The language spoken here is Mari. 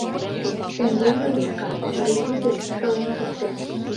Шеҥгелне лӱшкат: «Вредитель, шылын шуктен!